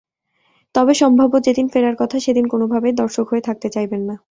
তবে সম্ভাব্য যেদিন ফেরার কথা, সেদিন কোনোভাবেই দর্শক হয়ে থাকতে চাইবেন না।